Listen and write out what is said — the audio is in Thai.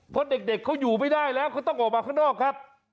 เพราะเด็กอยู่ไม่ได้ต้องออกมาข้างนอกครับ